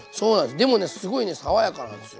でもねすごい爽やかなんですよ。